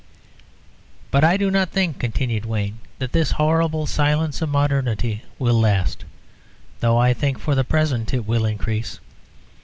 "But I do not think," continued Wayne, "that this horrible silence of modernity will last, though I think for the present it will increase.